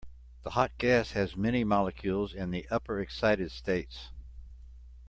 The hot gas has many molecules in the upper excited states.